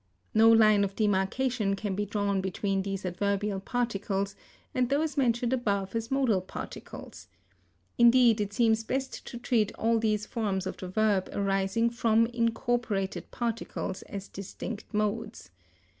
No line of demarkation can be drawn between these adverbial particles and those mentioned above as modal particles. Indeed it seems best to treat all these forms of the verb arising from, incorporated particles as distinct modes.